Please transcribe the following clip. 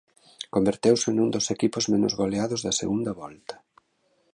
Converteuse nun dos equipos menos goleados da segunda volta.